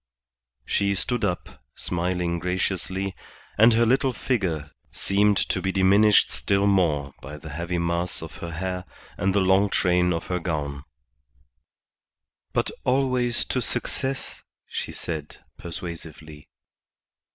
She stood up, smiling graciously, and her little figure seemed to be diminished still more by the heavy mass of her hair and the long train of her gown. "But always to success," she said, persuasively.